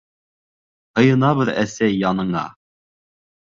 Һыйынабыҙ, әсәй, яныңа.